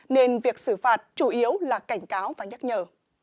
nên việc xử phạt chủ yếu là cảnh cáo và nhắc nhở